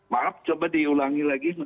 maaf coba diulangi lagi